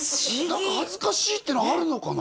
何か恥ずかしいっていうのがあるのかな？